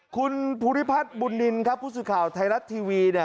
คุณภูริพัฒน์บุญนินครับพูดสุดข่าวไทยรัตน์ทีวี